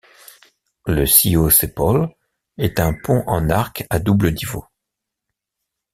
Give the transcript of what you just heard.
Le Si-o-se-pol est un pont en arc à double niveau.